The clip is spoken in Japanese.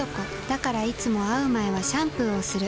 だからいつも会う前はシャンプーをする。